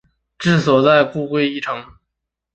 治所在故归依城。